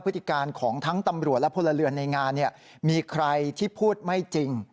พฤติการของทั้งตำรวจและพลเรือนในงานมีใครที่พูดไม่จริง